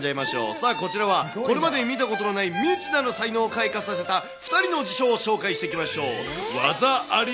さあ、こちらはこれまでに見たことのない、未知なる才能を開花させた２人の自称王を紹介していきましょう。